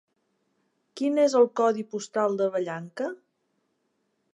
Quin és el codi postal de Vallanca?